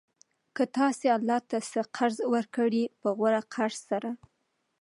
كه تاسي الله ته څه قرض ورکړئ په غوره قرض سره